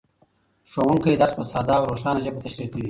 ښوونکی درس په ساده او روښانه ژبه تشریح کوي